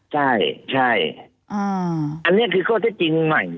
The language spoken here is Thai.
ใช่อันนี้คือข้อเท็จจริงใหม่